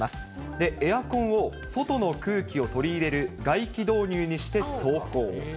で、エアコンを外の空気を取り入れる外気導入にして走行。